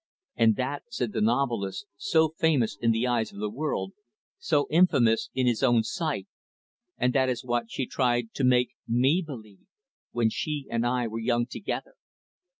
"And that" said the novelist so famous in the eyes of the world, so infamous in his own sight "and that is what she tried to make me believe, when she and I were young together.